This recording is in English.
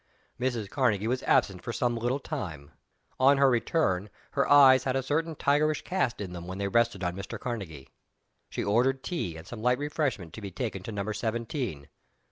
Mrs. Karnegie was absent for some little time. On her return her eyes had a certain tigerish cast in them when they rested on Mr. Karnegie. She ordered tea and some light refreshment to be taken to Number Seventeen.